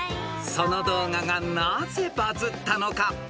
［その動画がなぜバズったのか］